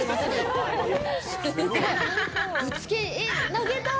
投げたい！